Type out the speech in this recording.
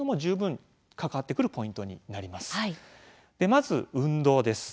まず運動です。